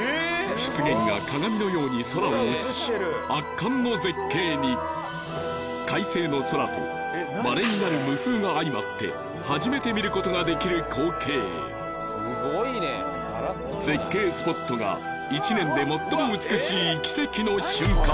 湿原が鏡のように空を映し圧巻の絶景に快晴の空とまれになる無風が相まって初めて見ることができる光景すごいねガラスのような絶景スポットが１年でもっとも美しい奇跡の瞬間